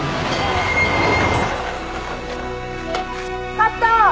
「カット！